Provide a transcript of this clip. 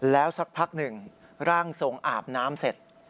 แล้วสักพักหนึ่งร่างทรงอาบน้ำเสร็จ